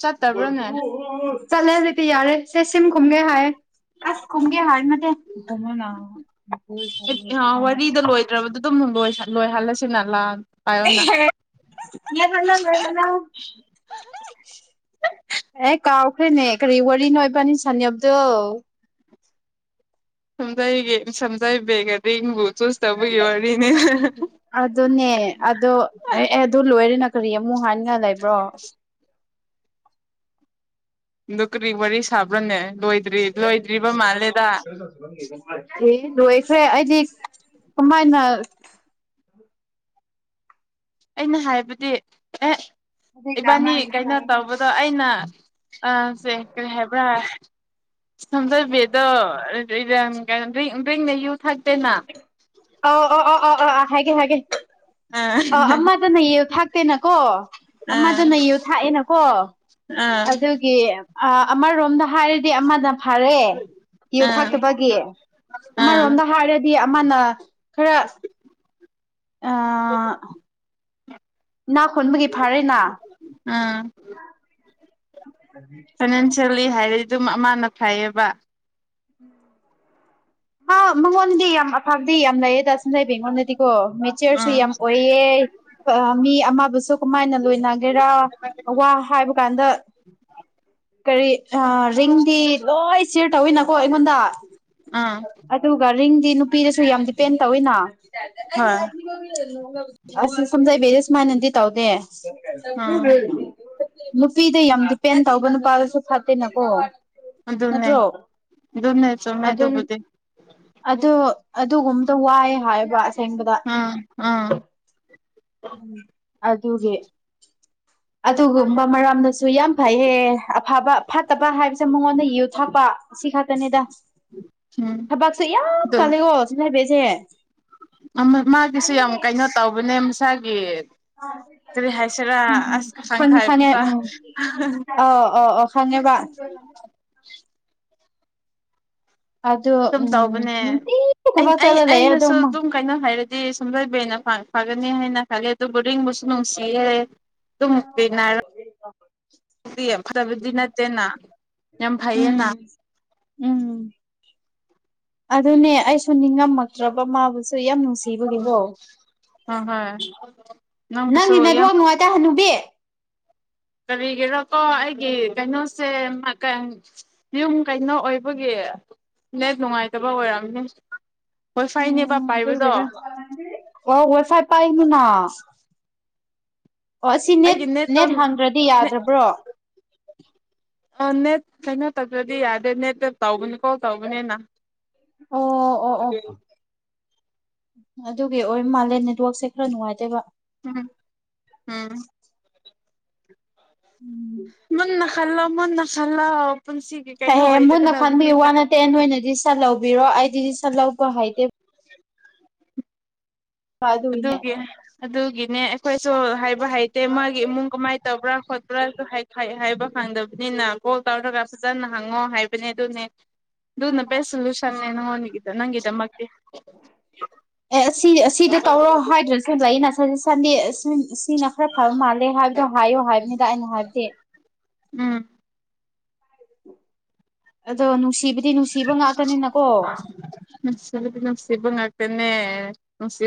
ꯆꯠꯇꯕ꯭ꯔꯥꯅꯦ ꯆꯠꯂꯦ ꯍꯧꯖꯤꯗꯤꯤ ꯌꯥꯔꯦ ꯁꯦ ꯁꯤꯝ ꯈꯨꯝꯒꯦ ꯍꯥꯏꯌꯦ ꯑꯁ ꯀꯣꯨꯝꯒꯦ ꯍꯥꯏ ꯃꯃꯅ ꯂꯣꯏ ꯍꯜꯂꯦ ꯁꯤ ꯅ ꯂꯥ ꯄꯥꯏꯌꯣꯅ ꯌꯥ ꯐ ꯌꯥ ꯑꯦ ꯀꯥꯎꯈ꯭ꯔꯦꯅꯦ ꯀꯔꯤ ꯋꯥꯔꯤꯅꯣꯣꯏꯕꯅꯤ ꯁꯅꯤꯕꯗꯨꯣ ꯁꯝꯖꯥꯏꯒꯦ ꯁꯝꯖꯥꯏ ꯕꯦꯒꯗꯤ ꯏꯕꯨ ꯆꯨꯁ ꯇꯧꯕꯒꯤ ꯋꯥꯔꯤꯅꯦ ꯑꯗꯨꯅꯦ ꯑꯗꯣ ꯑꯦ ꯑꯗꯨꯣ ꯂꯣꯏꯔꯦꯅ ꯀꯔꯤ ꯑꯃꯨꯛ ꯍꯥꯏꯅꯒꯂꯕ ꯋꯥ ꯑ ꯀꯔꯤ ꯋꯥꯔꯤ ꯁꯥꯕ꯭ꯔꯣꯅꯦ ꯂ꯭ꯔꯤ ꯂꯣꯏꯗ꯭ꯔꯤꯕ ꯃꯥꯜꯂꯦꯗ ꯑꯦ ꯂꯣꯏꯈ꯭ꯔꯦ ꯑꯩꯗꯤ ꯀꯃꯥꯏꯅ ꯑꯩꯅ ꯍꯥꯏꯕꯗꯤ ꯑꯦ ꯏꯕꯥꯅꯤ ꯀꯩꯅꯣ ꯇꯧꯕꯗꯣ ꯑꯩꯅ ꯑ ꯁꯦ ꯀꯔꯤ ꯍꯥꯏꯕ꯭ꯔꯥ ꯊꯝꯖꯕꯗꯣꯔꯤ ꯌ ꯑꯣ ꯑꯣ ꯑꯣ ꯑꯣ ꯑꯣ ꯍꯥꯏꯒꯦ ꯍꯥꯏꯒꯦ ꯑ ꯑ ꯑꯃꯗꯅ ꯌꯦꯌꯨ ꯊꯥꯛꯇꯦꯅꯀꯣ ꯑꯥ ꯑꯃꯗꯅ ꯌꯨ ꯊꯥꯛꯑꯦꯅꯀꯣ ꯑꯥ ꯑꯗꯨꯒꯤ ꯑꯃꯔꯣꯝꯗ ꯍꯥꯏꯔꯗꯤ ꯑꯃꯗ ꯐꯔꯑꯦ ꯌꯨ ꯊꯥꯛꯇꯕꯒꯤ ꯑꯥ ꯑꯃꯔꯣꯝꯗ ꯍꯥꯔꯦ ꯑꯃꯅ ꯈꯔ ꯍ ꯅꯥ ꯈꯣꯟꯕꯒꯤ ꯐꯥꯔꯦꯅꯥ ꯑꯥ [inaudible] ꯈꯣꯂꯤ ꯍꯥꯏꯔꯗꯤ ꯑꯗꯨꯝ ꯑꯃꯅ ꯐꯩꯌꯦꯕ ꯎꯝ ꯑ ꯃꯉꯣꯟꯗꯤ ꯌꯥꯝ ꯑꯐꯕꯗꯤ ꯌꯥꯝ ꯂꯩꯌꯦꯗ ꯑꯁꯨꯝ ꯂꯩꯕ ꯑꯩꯉꯣꯟꯗꯗꯤꯀꯣ ꯃꯦꯆꯔꯁꯨ ꯎꯝ ꯌꯥꯝ ꯑꯣꯏꯌꯦ ꯃꯤ ꯑꯃꯕꯨꯁꯨ ꯀꯃꯥꯏꯅ ꯂꯣꯏꯅꯒꯦꯔꯥ ꯋꯥ ꯍꯥꯏꯕ ꯀꯥꯟꯗ ꯀꯔꯤ ꯑ ꯔꯤꯡꯗꯤ ꯂꯣꯏ ꯁꯤꯌꯔ ꯇꯧꯋꯤꯅꯀꯣ ꯑꯩꯉꯣꯟꯗ ꯎꯝ ꯑꯗꯨꯒ ꯔꯤꯡꯗꯤ ꯅꯨꯄꯤꯗꯁꯨ ꯌꯥꯝ ꯗꯤꯄꯦꯟ ꯇꯧꯋꯤꯅ ꯍꯣꯏ ꯑꯁ ꯁꯝꯖꯩꯕꯤ ꯁꯨꯃꯥꯏꯅꯗꯤ ꯇꯧꯗꯦ ꯎꯝ ꯅꯨꯄꯤꯗ ꯌꯥꯝ ꯗꯤꯄꯦꯟ ꯇꯧꯕ ꯅꯨꯄꯥꯗꯁꯨ ꯁꯥꯠꯇꯦꯅꯀꯣ ꯅꯠꯇ꯭ꯔꯣ ꯅꯁꯨ ꯃꯥꯏꯗꯨꯕꯨꯗꯤ ꯑꯗꯨꯒꯨꯝꯇ ꯋꯥꯏ ꯍꯥꯏꯕ ꯑꯕꯗꯥ ꯎꯝ ꯎꯝ ꯎꯝ ꯑꯗꯨꯒꯤ ꯑꯗꯨꯒꯨꯝꯕ ꯃꯔꯝꯅꯁꯨ ꯌꯥꯝ ꯐꯩ ꯑꯦ ꯑꯐꯕ ꯐꯠꯇꯕ ꯍꯥꯏꯕꯁꯦ ꯃꯉꯣꯟꯗ ꯏꯌꯨ ꯊꯥꯛꯄ ꯁꯤ ꯈꯛꯇꯅꯦꯗ ꯎꯝ ꯊꯕꯛꯁꯨ ꯌꯥꯝ ꯑꯗꯨ ꯀꯥꯂꯦꯀꯣ ꯁꯤꯗ ꯍꯥꯏꯕꯤꯁꯦ ꯃꯥꯒꯤꯁꯨ ꯌꯥꯝ ꯀꯩꯅꯣ ꯇꯧꯕꯅꯦ ꯃꯁꯥꯒꯤ ꯀꯔꯤ ꯎꯝ ꯍꯥꯏꯁꯤꯔꯥ ꯑꯁ ꯀꯁꯥꯡ ꯁꯣꯟꯅꯤꯁꯅꯤ ꯈꯥꯏꯕꯇ ꯎꯝ ꯑ ꯑꯣ ꯑꯣ ꯊꯟꯕ ꯑꯗꯨ ꯑꯗꯨꯝ ꯎꯝ ꯇꯧꯕꯅꯦ ꯅꯨꯡꯇꯤ ꯑꯩꯅ ꯊꯕꯛ ꯑꯩ ꯆꯠꯂ ꯂꯩꯌꯦ ꯑꯩꯅꯁꯨ ꯑꯗꯨꯝꯃ ꯑꯗꯨꯝ ꯀꯩꯅꯣ ꯍꯥꯏꯔꯗꯤ ꯗꯤ ꯁꯨꯡꯖꯣꯏꯕꯅ ꯐꯒꯅꯤ ꯍꯥꯏꯅ ꯈꯂꯦ ꯑꯗꯨ ꯕꯨꯔꯤꯡꯕꯨꯁꯨ ꯅꯨꯡꯁꯤꯌꯦꯦ ꯇꯨꯃꯗꯔ ꯌꯥꯝ ꯐꯠꯇꯕꯗꯤ ꯅꯠꯇꯦꯅ ꯌꯥꯝ ꯐꯩꯌꯦꯅ ꯎꯝ ꯎꯝ ꯑꯗꯨꯅꯦ ꯑꯩꯁꯨ ꯅꯤꯡꯉꯝꯃꯛꯇ꯭ꯔꯕ ꯃꯥꯕꯨꯁꯨ ꯌꯥꯝ ꯅꯨꯡ ꯑꯝ ꯍꯝ ꯅꯪꯒꯤ ꯅ‌ꯦꯋꯥ ꯅꯨꯡꯉꯥꯏꯇꯍꯅꯨꯕꯦ ꯀꯔꯤꯒꯤꯔ‌ꯥꯀꯣ ꯑꯩꯒꯤ ꯀꯩꯅꯣꯁꯦ ꯌꯨꯝ ꯀꯩꯅꯣ ꯑꯣꯏꯕꯒꯤ ꯅ‌ꯦꯠ ꯅꯨꯡꯉꯥꯏꯇꯕꯥ ꯑꯣꯏꯔꯝꯅꯦ ꯑꯣꯒꯁꯥꯏ ꯄꯥꯏꯁꯥ ꯄꯥꯏꯕꯅꯤꯅꯥ ꯑꯩ ꯒꯤꯅ‌ꯦꯀ‌ꯣ ꯅꯦꯠ ꯍꯥꯡꯗ꯭ꯔꯗꯤ ꯌꯥꯗ꯭ꯔꯕ꯭ꯔꯣ ꯑ‌ꯣ ꯅꯦꯠ ꯀꯩꯅꯣ ꯇꯧꯗ꯭ꯔꯗꯤ ꯌꯥꯗꯦ ꯅꯦꯠꯇꯠꯇ ꯇꯧꯕꯒꯅꯤ ꯀꯣꯜ ꯇꯧꯕꯅꯤꯅ ꯑꯣ ꯑꯣ ꯑꯣ ꯑꯗꯨꯒꯤ ꯑꯣꯏ ꯃꯥꯂꯦꯝꯂꯦꯟ ꯅꯦꯠꯋꯥꯛꯁꯦ ꯈꯔ ꯅꯨꯡꯉꯥꯏꯇꯦꯕꯥ ꯎꯝ ꯎꯝ ꯎꯝ [unintelligible] ꯀꯩꯅꯣ ꯍꯦ ꯃꯨꯟꯅ ꯈꯟꯕꯤꯌꯨ ꯑꯣꯏꯒꯗꯕꯅꯤꯅ ꯋꯥ ꯅꯠꯇꯦ ꯅꯣꯏ ꯑꯣꯏꯅꯗꯤ ꯁꯠꯍꯧꯕꯤꯔꯣ ꯑꯩꯗꯤ ꯁꯠꯍꯧꯕ ꯍꯩꯇꯦ ꯑꯗꯨꯒꯤꯅꯦ ꯑꯗꯨꯒꯤ ꯑꯗꯨꯒꯤꯅꯦ ꯑꯩꯈꯣꯏꯁꯨ ꯍꯥꯏꯕ ꯍꯩꯇꯦ ꯃꯥꯒꯤ ꯏꯃꯨꯡ ꯀꯃꯥꯏꯅ ꯇꯧꯕ꯭ꯔꯥ ꯄꯨꯔꯛꯑꯁꯨ ꯍꯩ ꯍꯩꯕ ꯈꯪꯗꯕꯅꯤꯅ ꯀꯣꯜ ꯇꯧꯔꯒ ꯐꯖꯅ ꯍꯪꯉꯣ ꯍꯥꯏꯕꯅꯦ ꯑꯗꯨꯅꯦ ꯑꯗꯨꯅꯕꯦꯁ ꯁꯣꯂꯨꯁꯟꯦ ꯅ ꯎꯝ ꯍꯅꯤꯡꯒꯗ ꯅꯪꯗ ꯃꯛꯇꯗꯤ ꯑꯦ ꯁꯤ ꯁꯤꯗ ꯇꯧꯔꯣ ꯍꯥꯏꯗ꯭ꯔ ꯁꯖ ꯅ ꯁꯟꯗꯦ ꯁꯤꯅ ꯈꯔ ꯐꯕ ꯃꯥꯜꯂꯦ ꯍꯥꯏꯕꯗꯣ ꯍꯥꯏꯌꯣ ꯍꯥꯏꯕꯅꯤꯗ ꯑꯩꯅ ꯍꯥꯏꯕꯗꯦ ꯎꯝ ꯑꯗꯣ ꯅꯨꯡꯁꯤꯕꯗꯤ ꯅꯨꯡꯁꯤꯕ ꯉꯥꯛꯇꯅꯤꯅꯀꯣ ꯁꯤꯕꯪꯥꯛꯇꯅꯦ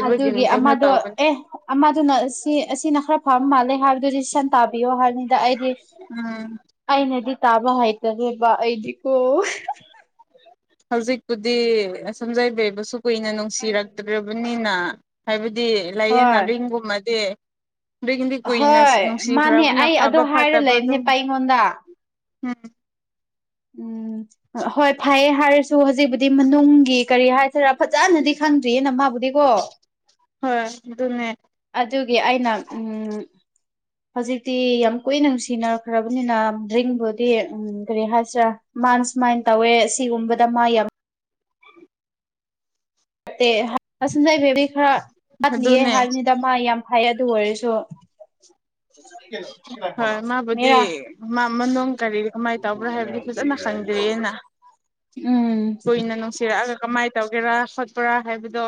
ꯑꯗꯨꯒꯤ ꯑꯃꯗꯣ ꯑꯦ ꯑꯃꯗꯨꯅ ꯁꯤ ꯑꯁꯤꯅ ꯈꯔ ꯐꯔꯝ ꯃꯥꯜꯂꯦ ꯍꯥꯏꯕꯗꯤ ꯁꯟ ꯇꯥꯕꯤꯌꯣ ꯍꯥꯏꯕꯅꯤꯗ ꯑꯩꯗꯤ ꯎꯝ ꯑꯩꯅꯗꯤ ꯇꯥꯕꯥ ꯍꯥꯏꯇꯔꯦꯗꯤꯕꯥ ꯑꯩꯗꯤꯀꯣ ꯍꯧꯖꯤꯛꯄꯨꯗꯤ ꯁꯝꯖꯥꯏꯕꯩꯕꯁꯨ ꯀꯨꯏꯅꯥ ꯅꯨꯡꯁꯤꯔꯛꯇ꯭ꯔꯕꯅꯤꯅ ꯍꯥꯏꯕꯗꯤ ꯂꯥꯏꯌꯦꯡ ꯍꯣꯏ ꯅꯥꯔꯤꯡꯒꯨꯝꯕꯗꯤ ꯑꯗꯨꯏꯒꯤꯗꯤ ꯀꯨꯏꯅ ꯍꯣꯏ ꯃꯥꯅꯦ ꯅꯨꯡꯁꯤꯈ꯭ꯔꯕꯅ ꯑꯩ ꯑꯗꯣ ꯐꯕ ꯍꯥꯏꯔ ꯐꯠꯇꯕ ꯑꯗꯨꯝ ꯂꯩꯕꯅꯦꯕ ꯑꯩꯉꯣꯟꯗ ꯎꯝ ꯎꯝ ꯍꯣꯏ ꯐꯩꯌꯦ ꯍꯥꯏꯔꯁꯨ ꯍꯧꯖꯤꯛꯕꯨꯗꯤ ꯃꯅꯨꯡꯒꯤ ꯀꯔꯤ ꯍꯥꯏ ꯈꯔ ꯐꯖꯅꯗꯤ ꯈꯪꯗ꯭ꯔꯤꯦꯅ ꯃꯥ ꯗꯤꯀꯣ ꯍꯣꯏ ꯑꯗꯨꯅꯦ ꯑꯗꯨꯒꯤ ꯑꯩꯅ ꯎꯝ ꯍꯧꯖꯤꯛꯇꯤ ꯌꯥꯝ ꯀꯨꯏꯅ ꯅꯨꯡꯁꯤꯅꯈ꯭ꯔꯕꯅꯤꯅ ꯗ꯭ꯔꯤꯡꯕꯨꯗꯤ ꯎ ꯀꯔꯤ ꯍꯥꯏ ꯃꯥꯥꯅ ꯁꯨꯃꯥꯏꯅ ꯇꯧꯋꯦ ꯁꯤꯒꯨꯝꯕꯗ ꯃꯥ ꯌꯥꯝ ꯑꯁꯤꯗ ꯑꯩꯕꯦꯕꯗꯤ ꯈꯔ ꯋꯥꯠꯂꯤꯌꯦ ꯑꯗꯨꯅꯦ ꯍꯥꯏꯕꯅꯤꯗ ꯃꯥ ꯌꯥꯝ ꯐꯩ ꯑꯗꯨ ꯑꯣꯏꯔꯁꯨ [inaudible] ꯍꯣꯏ ꯃꯥꯕꯨꯗꯤ ꯃꯦꯔꯥ ꯃꯥ ꯃꯅꯨꯡ ꯀꯔꯤ ꯀꯃꯥꯏꯅ ꯇꯧꯕ꯭ꯔꯥ ꯍꯥꯏꯕꯗꯤ ꯐꯖꯅꯥ ꯈꯪꯗꯦ ꯎꯝ ꯀꯨꯏꯅꯥ ꯅꯨꯡꯁꯤꯔꯛꯑꯒ ꯀꯃꯥꯏꯅ ꯇꯧꯒꯦꯔꯥ ꯈꯣꯠꯄ꯭ꯔꯥ ꯍꯥꯏꯕꯗꯣ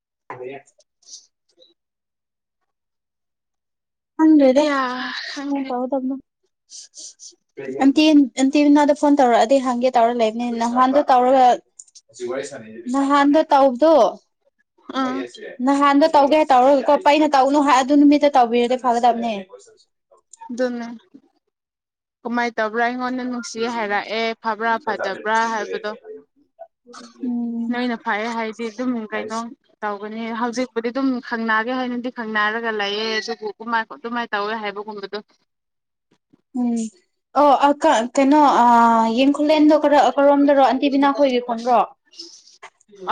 [unintelligible] ꯈ‌ꯪꯗꯔ‌ꯦꯗꯥ ꯑꯌꯥ ꯀꯃꯥꯏ ꯈꯪꯗ꯭ꯔꯦ ꯇꯥꯎꯗꯑꯗꯟꯅ‌ꯣ ꯑꯟꯇꯤ ꯑꯟꯇꯤꯅꯥꯗ ꯐꯣꯟ ꯇꯧꯔꯛꯑꯗꯤ ꯍꯪꯒꯦ ꯇꯧꯔ ꯂꯩꯕꯅꯤ ꯅꯍꯥꯟꯗ ꯇꯧꯔꯒ ꯅꯍꯥꯟꯗꯣ ꯇꯥꯎꯕꯗꯣ ꯑꯥ ꯅꯍꯥꯟꯗꯣ ꯇꯧꯒꯦ ꯍꯥꯏ ꯇꯧꯔꯀꯣꯄ ꯑꯩꯅ ꯇꯧꯅꯨ ꯍꯥꯏ ꯑꯗꯨ ꯅꯨꯃꯤꯠꯇ ꯇꯧꯕꯤꯔꯗ ꯐꯒꯗꯕꯅꯦ ꯀꯃꯥꯏꯅ ꯇꯧꯕ꯭ꯔꯥ ꯑꯩꯉꯣꯟꯗ ꯅꯨꯡꯁꯤ ꯍꯥꯏꯔꯛꯑꯦ ꯐꯕ꯭ꯔꯥ ꯐꯖꯕ꯭ꯔꯥ ꯍꯥꯏꯕꯗꯣ ꯎꯝ ꯅꯣꯏꯅ ꯐꯩꯌꯦ ꯍꯥꯏꯗꯤ ꯑꯗꯨꯝ ꯀꯩꯅꯣ ꯇꯧ ꯍꯧꯖꯤꯛꯄꯨꯗꯤ ꯑꯗꯨꯝ ꯈꯪꯅꯒꯦ ꯍꯥꯏꯅꯗꯤ ꯈꯪꯅꯔꯒ ꯂꯩꯑꯦ ꯑꯗꯨꯕꯨ ꯀꯥꯏꯣ ꯑꯗꯨꯃꯥꯏꯅ ꯇꯧꯋꯦ ꯍꯥꯏꯕꯒꯨꯝꯕ ꯗ ꯎꯝ ꯑꯣ ꯑ ꯀꯩꯅꯣ ꯑ ꯌꯦꯡꯈꯂꯦꯟꯗꯣ ꯀꯔꯣꯝꯗꯔꯣ ꯑꯟꯇꯤꯕꯤꯅꯥ ꯈꯣꯏꯒꯤ ꯈꯣꯣꯟ꯭ꯔꯣ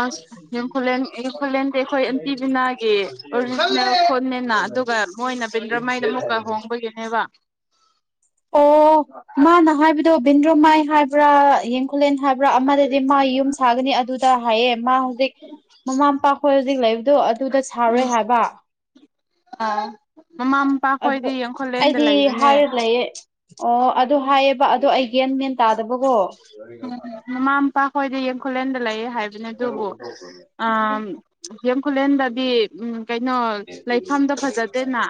ꯑꯁꯈꯨꯂꯦꯟ ꯌꯦꯡꯈꯨꯂꯦꯟꯗꯤ ꯑꯩꯈꯣꯏ ꯑꯟꯇꯤꯕꯤꯅꯥꯒꯤ ꯑꯣꯔꯤꯖꯤꯅꯦꯜ ꯐꯣꯟꯅꯦꯅ ꯑꯗꯨꯒ ꯃꯣꯏꯅ ꯄꯟꯗ꯭ꯔꯃꯩꯗ ꯑꯃꯨꯛꯀ ꯍꯣꯡꯕꯒꯤꯅꯦꯕ ꯑꯣ ꯑꯣ ꯃꯥꯅ ꯍꯥꯏꯕꯗꯣ ꯚꯟꯗ꯭ꯔꯣꯃꯥꯏ ꯍꯥꯏꯕ꯭ꯔꯥ ꯌꯦꯡꯈꯨꯂꯦꯟ ꯍꯥꯏꯕ꯭ꯔꯥ ꯑꯃꯗꯗꯤ ꯃꯥ ꯌꯨꯝ ꯁꯥꯒꯅꯤ ꯑꯗꯨ ꯗ ꯍꯥꯏꯌꯦ ꯃꯥ ꯍꯧꯖꯤꯛ ꯃꯃꯥ ꯃꯄꯥꯈꯣꯏ ꯍꯧꯖꯤꯛ ꯂꯩꯕꯗꯣ ꯑꯗꯨꯗ ꯁꯥꯔꯣꯏ ꯍꯥꯏꯕ ꯑ ꯃꯃꯥ ꯃꯄꯥ ꯑꯗꯨ ꯈꯣꯏꯗꯤ ꯌꯥꯡꯈꯣꯂꯦꯟꯗ ꯑꯩꯗꯤ ꯂꯩꯕꯅꯦ ꯍꯥꯏꯔ ꯂꯩꯌꯦ ꯑꯣ ꯑꯗꯨ ꯍꯥꯏꯌꯦꯕ ꯑꯗꯨ ꯑꯩꯒꯦꯟ ꯃꯦꯟ ꯇꯥꯗꯕꯀꯣ ꯈꯨꯂꯦꯟꯗ ꯂꯩꯌꯦ ꯍꯥꯏꯕꯅꯤ ꯑꯗꯨꯕꯨ ꯎ ꯍꯦꯝ ꯈꯨꯂꯦꯟꯗꯗꯤ ꯎꯝ ꯀꯩꯅꯣ ꯂꯩꯐꯝꯗ ꯐꯖꯗꯦꯅ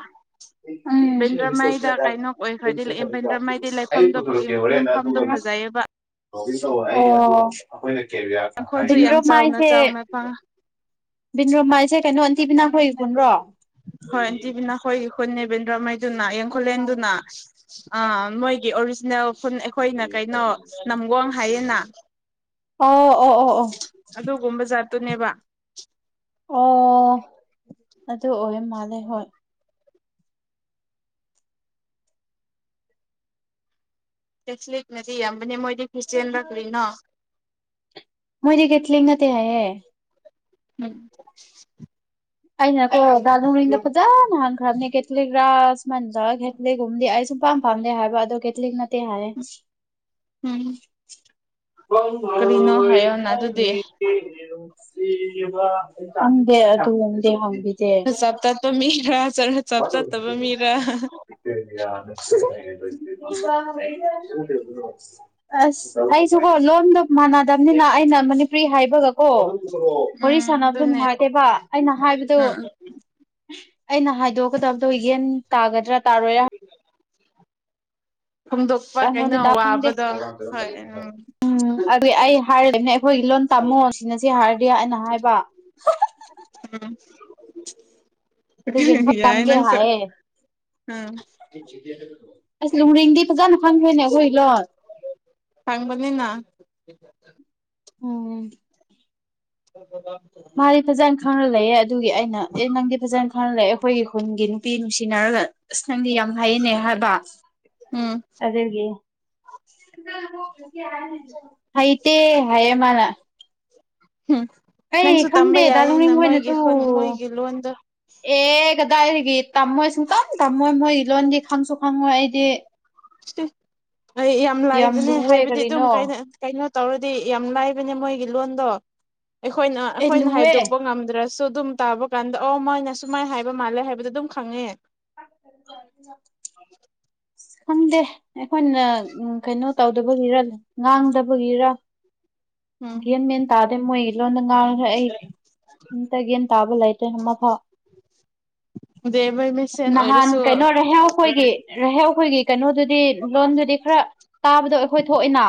ꯎꯝ ꯕꯦꯟꯗ꯭ꯔꯃꯥꯏꯗ ꯀꯩꯅꯣ ꯑꯣꯏꯈꯗꯤ ꯕꯦꯟꯗ꯭ꯔꯃꯥꯏꯗꯤ ꯂꯩꯐꯝꯗꯣ ꯌꯨꯝꯐꯝꯗ ꯐꯖꯩꯕ ꯑꯣ ꯌꯥꯝ ꯆꯥꯎꯅ ꯑꯩꯈꯣꯏꯣꯥꯏꯁꯦ ꯆꯥꯎꯅ ꯐꯪꯉꯦ ꯕꯤꯟ꯭ꯔꯣꯃꯥꯏꯁꯦ ꯀꯩꯅꯣ ꯑꯟꯇꯤꯕꯤꯅꯥ ꯍꯣꯏꯕ꯭ꯔꯣ ꯍꯣꯏ ꯇꯤꯕꯤꯅꯥ ꯍꯣꯏ ꯍꯣꯏ ꯅꯦꯕꯦꯟ꯭ꯔꯃꯥꯏ ꯅ ꯌꯦꯡꯈꯨꯂꯦꯟꯗꯨꯅ ꯃꯣꯏꯒꯤ ꯑꯣꯔꯤꯖꯤꯅꯦꯜ ꯑꯩꯈꯣꯏꯅ ꯀꯩꯅꯣ ꯅꯝꯒꯣꯡ ꯍꯥꯏꯌꯦꯅ ꯑꯣ ꯑꯣ ꯑꯣ ꯑꯣ ꯑꯗꯨꯅꯦꯕ ꯑꯣ ꯑꯗꯨ ꯑꯣꯏ ꯃꯥꯂꯦ ꯍꯣꯏ ꯀꯦꯊꯂꯤꯛꯅꯗꯤ ꯌꯥꯝꯕꯅꯦ ꯃꯣꯏꯗꯤ ꯈ꯭ꯔꯤꯁꯇꯌꯥꯦꯟ ꯂ ꯀ꯭ꯔꯤꯅꯣ ꯃꯣꯏꯗꯤꯦ ꯀꯠꯂꯤ ꯉꯗꯤ ꯍꯥꯏ ꯎꯝ ꯑꯩꯅꯀꯣ ꯨꯔꯤꯗ ꯐꯖꯅ ꯍꯥꯟꯈ꯭ꯔꯕꯅꯦ ꯀꯦꯠꯂꯤꯒ꯭ꯔꯥꯁ ꯃꯟꯗꯦ ꯀꯒꯨꯝꯗꯤ ꯑꯩꯁꯨ ꯄꯥꯝ ꯄꯥꯝꯗꯦ ꯍꯥꯏꯕ ꯑꯗꯣ ꯀꯦꯊꯂꯤꯛ ꯅꯠꯇꯦ ꯍꯥꯏꯌꯦ ꯎꯝ ꯀ ꯀꯔꯤꯅꯣ ꯍꯥꯏꯌꯣꯅ ꯑꯗꯨꯗꯤ ꯈꯉ ꯗꯦ ꯑꯗꯨꯦ ꯍ ꯆꯞ ꯆꯥꯠꯄ ꯃꯤꯔꯥꯔ ꯆꯞ ꯆꯥꯠꯇꯕ ꯃꯤꯔꯥ [inaudible] ꯑꯁ ꯑꯩꯁꯨꯀꯣ ꯂꯣꯟꯗ ꯃꯥꯟꯅꯗꯕꯅꯤꯅ ꯑꯩꯅ ꯃꯅꯤꯄꯨꯔꯤ ꯍꯥꯏꯕꯒ ꯑꯣ ꯎꯝ ꯋꯥꯔꯤ ꯁꯥꯟꯅꯕꯗꯣ ꯑꯗꯨꯅꯦ ꯅꯨꯡꯉꯥꯏꯇꯦꯕ ꯑꯩꯅ ꯍꯥꯏꯕꯗꯨ ꯎꯝ ꯎꯝ ꯑꯩꯅ ꯍꯥꯏꯗꯣꯛꯀꯗꯕꯗꯣ ꯌꯦꯟ ꯇꯥꯒꯗ꯭ꯔꯥ ꯇꯥꯔꯣꯏꯔꯥ ꯑ ꯐꯣꯡꯗꯣꯛꯄ ꯍꯅ ꯀꯩꯅꯣ ꯗꯗꯝ ꯋꯥꯕꯗꯣ ꯍꯣꯏ ꯎꯝ ꯑꯩ ꯑꯩ ꯍꯥꯏꯔꯕꯅꯦ ꯑꯩꯈꯣꯏꯒꯤ ꯂꯣꯟ ꯇꯝꯃꯣ ꯁꯤꯅ ꯁꯤ ꯍꯥꯏꯔꯗꯤ ꯑꯅ ꯍꯥꯏꯕ ꯎꯝ ꯑꯗꯨꯒ ꯍꯣꯏ ꯌꯥꯝꯗꯦ ꯍꯥꯏꯌꯦꯦ ꯎꯝ ꯑꯁ ꯂꯨꯔꯤꯡꯗꯤ ꯐꯖꯅ ꯈꯪꯉꯦꯅꯦ ꯑꯣꯏ ꯂꯣ ꯊꯥꯡꯕꯅꯤꯅ ꯑꯣꯝ ꯑꯣ ꯃꯥꯔꯤ ꯐꯖꯅ ꯈ ꯂꯩꯑꯦ ꯑꯗꯨꯒꯤ ꯑꯩꯅ ꯑꯦ ꯅꯪꯗꯤ ꯐꯖꯅ ꯈꯪꯅ ꯂꯩꯦ ꯑꯩꯈꯣꯏꯒꯤ ꯈꯨꯟꯒꯤ ꯅꯨꯄꯤ ꯅꯨꯡꯁꯤꯅꯔꯒ ꯑꯁ ꯅꯪꯗꯤ ꯌꯥꯝ ꯍꯥꯏꯅꯦ ꯍꯥꯏꯕ ꯎꯝ ꯑꯗꯨꯒꯤ ꯍꯥꯏꯩ ꯇ ꯍꯥꯏꯌꯦ ꯃꯥꯅ ꯎꯝ ꯑꯩ ꯅꯪꯁꯨ ꯇꯝꯕ ꯈꯪꯗꯦꯗ ꯌꯥꯏꯌꯦꯅ ꯃꯣꯏꯒꯤ ꯂꯅꯨꯡꯅꯤꯡꯈꯣꯏꯅꯁꯨ ꯈꯨꯟ ꯃꯣꯏꯒꯤ ꯂꯣꯟꯗꯣ ꯑꯦ ꯀꯗꯥꯏꯒꯤ ꯇꯝꯃꯣꯏ ꯁꯨꯡꯇꯝ ꯇꯝꯃꯣꯏ ꯃꯣꯏꯒꯤ ꯂꯣꯟꯗꯤ ꯈꯪꯁꯨ ꯈꯪꯉꯣꯏ ꯑꯩꯗꯤ ꯑꯩ ꯌꯥꯝ ꯂꯥꯏꯕꯅꯦ ꯂꯨꯋꯦ ꯍꯥꯏꯕꯗꯤ ꯑꯗꯨꯝ ꯀꯔꯤꯅꯣ ꯇꯧꯔꯗꯤ ꯌꯥꯝ ꯂꯥꯏꯕꯅꯦ ꯃꯣꯏꯒꯤ ꯂꯣꯟꯗꯣ ꯑꯩꯈꯣꯏꯅ ꯑꯦ ꯑꯩꯈꯣꯏꯅ ꯂꯨꯋꯦ ꯍꯥꯏꯗꯣꯛꯄ ꯉꯝꯗ꯭ꯔꯁꯨ ꯁꯨ ꯑꯗꯨꯝ ꯇꯥꯕ ꯀꯥꯟꯗ ꯑꯣ ꯃꯣꯏꯅ ꯁꯨꯃꯥꯏꯅ ꯍꯥꯏꯕ ꯃꯥꯜꯂꯦ ꯍꯥꯏꯕꯗꯣ ꯑꯗꯨꯝ ꯈꯪꯉꯦ [inaudible] ꯁ ꯈꯪꯗꯦ ꯑꯩꯈꯣꯏꯅ ꯀꯩꯅꯣ ꯇꯧꯗꯕꯒꯤꯔ ꯉꯥꯡꯗꯕꯒꯤꯔ ꯎꯝ ꯒꯌꯥꯟ ꯃꯦꯟ ꯇꯥꯗꯦ ꯃꯣꯏ ꯂꯣꯟꯗ ꯉꯥꯡꯉꯁꯨ ꯑꯩ ꯀꯩꯝꯇ ꯒꯌꯥꯟ ꯇꯥꯕ ꯂꯩꯇꯦ ꯑꯃ ꯐ ꯗꯦꯕꯩ ꯃꯤꯁꯦꯟ ꯅꯍꯥꯟ ꯑꯣꯏꯔꯁꯨ ꯀꯩꯅꯣ ꯔꯍꯧ ꯑꯩꯈꯣꯏꯒꯤ ꯔꯦꯍꯥꯎꯈꯣꯏꯒꯤ ꯗꯤ ꯂꯣꯟꯗꯨꯗꯤ ꯈꯔ ꯇꯥꯕꯗꯣ ꯑꯈꯣꯏ ꯊꯣꯛꯑꯅ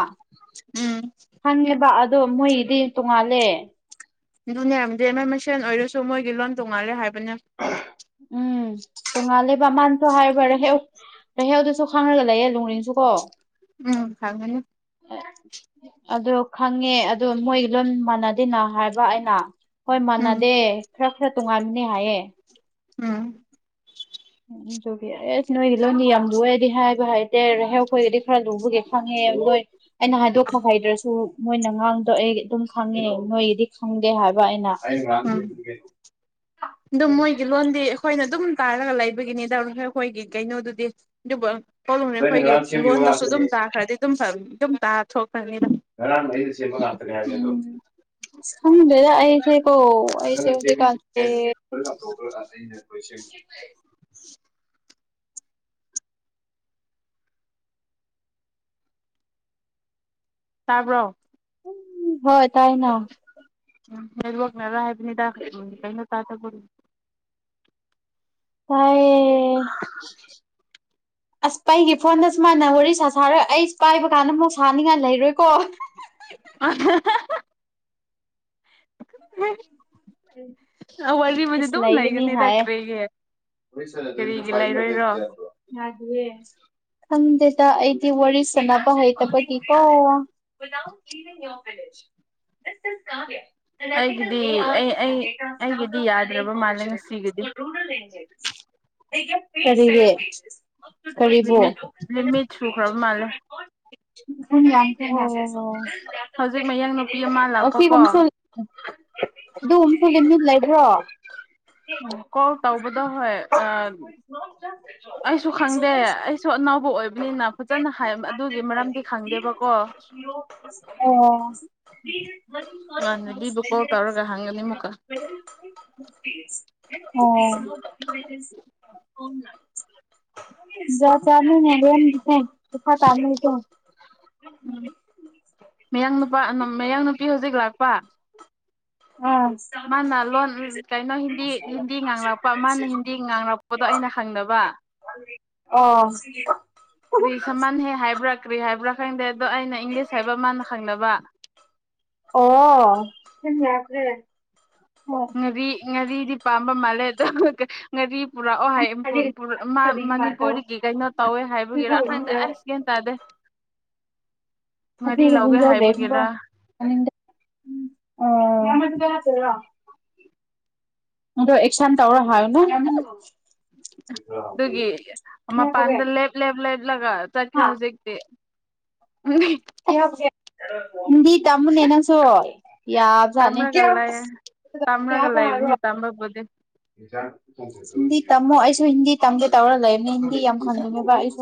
ꯎꯝ ꯈꯪꯉꯦꯕ ꯑꯗ ꯑꯗꯣ ꯃꯣꯏꯒꯤꯗꯤ ꯇꯣꯡꯉꯥꯜꯂꯦ ꯑꯗꯨꯅꯦ ꯑꯝꯗꯤ ꯃꯣꯏ ꯃꯁꯦꯟ ꯑꯣꯏꯔꯁꯨ ꯃꯣꯏꯒꯤ ꯂꯣꯟ ꯇꯣꯡꯉꯥꯜꯂꯦ ꯍꯥꯏꯕꯅꯦ ꯎꯝ ꯇꯣꯡꯉꯥꯂꯦꯕ ꯃꯥꯅꯁꯨ ꯍꯥꯏꯕ ꯔꯦꯍꯧ ꯔꯦꯍꯧꯗꯨꯁꯨ ꯈꯥꯡꯉꯒ ꯂꯩꯌꯦ ꯂꯣꯡꯂꯤꯡꯁꯨ ꯀꯣ ꯎꯝ ꯈꯪꯒꯅꯤ ꯑꯗꯨ ꯈꯪꯉꯦ ꯑꯗꯨ ꯃꯣꯏ ꯂꯣꯏ ꯃꯥꯟꯅꯗꯦꯅ ꯍꯥꯏꯕ ꯑꯩꯅ ꯍꯣꯏ ꯎꯝ ꯃꯥꯟꯅꯗꯦ ꯈꯔ ꯈꯔ ꯇꯣꯉꯥꯟꯕꯅꯦ ꯍꯥꯏꯌꯦ ꯎꯝ ꯑꯗꯨꯒꯤ ꯑꯁ ꯅꯣꯏꯒꯤ ꯂꯣꯟꯗꯤ ꯌꯥꯝ ꯂꯨꯏꯑ ꯍꯥꯏꯕ ꯍꯥꯏꯇꯦ ꯔꯦꯍꯧꯈꯣꯏꯒꯤꯗꯤ ꯈꯔ ꯂꯨꯕꯒꯦ ꯈꯪꯉꯦ ꯂꯣꯏ ꯑꯩꯅ ꯍꯥꯏꯗꯣꯛꯄ ꯍꯩꯗ꯭ꯔꯁꯨ ꯃꯣꯏꯅ ꯉꯥꯡꯕꯗꯣ ꯑꯩ ꯑꯗꯨꯝ ꯈꯪꯉꯦ ꯅꯣꯏꯒꯤꯗꯤ ꯈꯪꯗꯦ ꯍꯥꯏꯕ ꯑꯩꯅ ꯎꯝ ꯑꯗꯨ ꯃꯣꯏꯒꯤ ꯂꯣꯟꯗꯤ ꯑꯈꯣꯏꯅ ꯑꯗꯨꯝ ꯇꯥꯔꯒ ꯂꯩꯕꯒꯤꯅꯤꯗ ꯔꯦꯍꯧꯈꯣꯏꯒꯤ ꯀꯩꯅꯣꯗꯨꯗꯤ ꯑꯗꯨꯕꯨ ꯗꯨꯝ ꯔꯦꯈꯣꯏꯒꯤ ꯂꯣꯟꯗꯨꯁꯨ ꯑꯗꯨꯝ ꯇꯥꯈ꯭ꯔꯗꯤ ꯑꯗꯨꯝ ꯐ ꯑꯗꯨꯝ ꯇꯥꯊꯣꯛ ꯉꯔ ꯃꯗꯤꯁꯦꯕ ꯍꯥꯇꯔꯦ ꯍꯥꯏꯕꯗꯣ ꯑꯁ ꯈꯪꯗꯦꯗ ꯑꯩꯁꯦ ꯀꯣ ꯑꯩꯁꯦ ꯍꯧꯖꯤꯛꯀꯥꯟꯁꯦ [inaudible] ꯇꯥꯕ꯭ꯔꯣ ꯎꯝ ꯍꯣꯏ ꯇꯥꯏꯅ ꯎꯝ ꯅꯦꯠꯋꯥꯔꯛ ꯅꯔ ꯍꯥꯏꯕꯅꯤꯗ ꯎꯝ ꯀꯩꯅꯣ ꯇꯥꯗꯕꯒꯤ ꯇꯥꯏꯌꯦ ꯑꯁ ꯑꯩꯒꯤ ꯐꯣꯟꯗ ꯁꯨꯃꯥꯏꯅ ꯋꯥꯔꯤ ꯁꯥ ꯁꯥꯔꯒ ꯑꯩ ꯄꯥꯏꯕ ꯀꯥꯟꯗ ꯃꯨꯛ ꯁꯥꯅꯤꯡꯉꯥꯏ ꯂꯩꯔꯣꯏꯀꯣ ꯑꯍꯥ ꯍꯥ ꯍꯥ ꯑ ꯋꯥꯔꯤꯕꯨꯗꯤ ꯏꯁ ꯑꯗꯨꯝ ꯂꯩꯒꯅꯤ ꯂꯩꯒꯅꯤꯗ ꯍꯥꯏꯌꯦ ꯀꯔꯤꯒꯤ ꯁꯂꯦ ꯑꯗꯨ ꯀꯔꯤꯒꯤ ꯐ ꯂꯩꯔꯣꯏꯔꯣ [inaudible] ꯈꯪꯗꯦꯗ ꯑꯩꯗꯤ ꯋꯥꯔꯤ ꯁꯥꯟꯅꯕ ꯍꯩꯇꯕꯒꯤꯀꯣ ꯗꯥ ꯌꯂꯦ ꯑꯩꯒꯤꯗꯤ ꯑꯩ [inaudible] ꯑꯩ ꯑꯩꯒꯤꯗꯤ ꯌꯥꯗ꯭ꯔꯕ ꯀꯔꯤꯒꯤ ꯃꯥꯜꯂꯦ ꯉꯁꯤꯒꯤꯗꯤ ꯀꯔꯤꯕꯣ ꯈꯪ ꯌꯥꯝ ꯂꯤꯃꯤꯠ ꯂꯤꯃꯤꯠ ꯑꯣꯍꯣ ꯁꯨꯈ꯭ꯔꯕ ꯃꯥꯜꯂꯦ ꯍꯣ ꯍꯣ ꯍꯧꯖꯤꯛ ꯃꯌꯥꯡ ꯑꯁꯤꯒꯨꯝꯕꯁꯨ ꯅꯨꯄꯤ ꯑꯃ ꯂꯥꯛꯄꯀꯣ ꯂꯩ ꯑꯗꯨꯝꯒꯨꯝꯁꯨ ꯂꯤꯃꯤꯠ ꯂꯩꯕ꯭ꯔꯣ ꯀꯣꯜ ꯇꯧꯕꯗꯣ ꯍꯣꯏ ꯑ [inaudible] ꯑꯩꯁꯨ ꯈꯪꯗꯦ ꯑꯩꯁꯨ ꯑꯅꯧꯕ ꯑꯣꯏꯕꯅꯤꯅ ꯐꯖꯅ ꯍꯥꯏ ꯑꯗꯨꯒꯤ ꯃꯔꯝꯗꯤ ꯈꯪꯗꯦꯕꯀꯣ ꯑꯣ ꯕꯤꯕꯨ ꯀꯣꯜ ꯇꯧꯔꯒ ꯍꯥꯡꯒꯅꯤ ꯃꯨꯛꯀ ꯑꯣ ꯖꯥꯀꯥꯃꯤ ꯅꯒꯦꯝ ꯊꯦ ꯇꯐꯥ ꯇꯥꯃꯜ ꯇ ꯎꯝ ꯃꯌꯥꯡ ꯅꯨꯄꯥ ꯑꯃ ꯃꯌꯥꯡ ꯅꯨꯄꯤ ꯍꯧꯖꯤꯛ ꯂꯥꯛꯄ ꯑꯥ ꯃꯥꯅ ꯂꯣꯟ ꯀꯩꯅꯣ ꯍꯤꯟꯗꯤ ꯍꯤꯟꯗꯤ ꯉꯥꯡꯔꯛꯄ ꯃꯥꯅ ꯍꯤꯟꯗꯤ ꯉꯥꯡꯔꯛꯄꯗꯣ ꯑꯩꯅ ꯍꯪꯗꯕ ꯑ ꯑꯣ ꯀ꯭ꯔꯤ ꯁꯃꯥꯟ ꯍꯦ ꯍꯥꯏꯕ꯭ꯔꯥ ꯀ꯭ꯔꯤ ꯍꯥꯏꯕ꯭ꯔꯥ ꯈꯪꯗꯦ ꯑꯗꯣ ꯑꯩꯅ ꯏꯪꯂꯤꯁ ꯍꯥꯏꯕ ꯃꯥꯅ ꯈꯪꯅꯕ ꯎꯝ ꯉꯥꯔꯤ ꯉꯥꯔꯤꯗꯤ ꯄꯥꯝꯕ ꯃꯥꯜꯂꯦ ꯑꯗꯨꯒ ꯉꯥꯔꯤ ꯄꯨꯔꯛꯑꯣ ꯍꯥꯏ ꯃꯅꯤꯄꯨꯔꯒꯤ ꯀꯩꯅꯣ ꯇꯧꯋꯦ ꯍꯥꯏꯕꯒꯤꯔꯥ ꯈꯪꯗꯦ ꯑꯁ ꯀꯩ ꯇꯥꯗꯦ ꯑꯣ ꯉꯥꯔꯤ ꯂꯧꯒꯦ ꯍꯥꯏꯕꯒꯤꯔ ꯁꯤꯂ ꯑꯗꯣ ꯑꯦꯛꯁꯥꯝ ꯇꯧꯔ ꯍꯥꯏꯅ ꯑꯗꯨꯒꯤ ꯃꯄꯥꯟꯗ ꯂꯦꯞ ꯂꯦꯞ ꯂꯦꯞꯂꯒ ꯆꯠꯈ꯭ꯔꯦ ꯍꯧꯖꯤꯛꯇꯤ ꯎ ꯗꯤ ꯇꯃꯨꯟꯅꯁꯨꯣ ꯌꯥꯕꯖꯅꯤ ꯇꯝꯔꯒ ꯂꯩ ꯇꯝꯔꯒ ꯂꯩꯕꯅꯤ [unintelligible] ꯇꯝꯕꯕꯨꯗꯤ ꯍꯤꯟꯗꯤ ꯇꯝꯃꯣ ꯑꯩꯁꯨ ꯍꯤꯟꯗꯤ ꯇꯝꯒꯦ ꯇꯧꯔꯒ ꯂꯩꯕꯅ ꯍꯤꯟꯗꯤ ꯌꯥꯝ ꯍꯪꯅꯤꯡꯉꯦꯕ ꯑꯩꯁꯨ